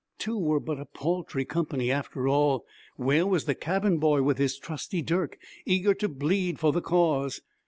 Two were but a paltry company after all. Where was the cabin boy with his trusty dirk, eager to bleed for the cause?